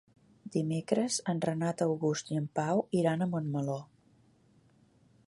Dimecres en Renat August i en Pau iran a Montmeló.